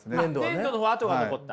粘土の方は跡が残った。